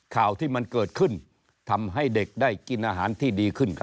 ข่าวที่มันเกิดขึ้นทำให้เด็กได้กินอาหารที่ดีขึ้นครับ